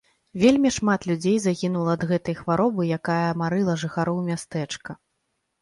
Вельмі шмат людзей загінула ад гэтай хваробы, якая марыла жыхароў мястэчка.